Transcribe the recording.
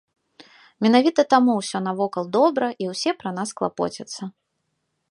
Менавіта таму усё навокал добра і ўсе пра нас клапоцяцца.